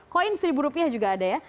koin seribu rupiah juga ada ya